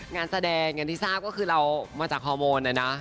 งานแสดงอย่างที่ทราบก็คือเรามาจากฮอร์โมนนะนะ